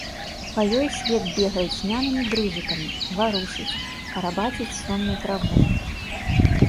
Па ёй свет бегае цьмянымі дрыжыкамі, варушыць, карабаціць сонную траву.